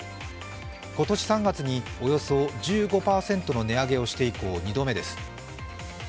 今年３月におよそ１５％の値上げをして以降、２度目です。